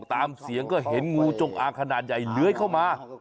ตามเสียงก็เห็นงูจงอางขนาดใหญ่เลื้อยเข้ามา